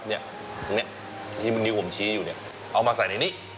เนี้ยไน่ที่มึงดิ้วผมชี้อยู่เนี้ยเอามาใส่ในนี่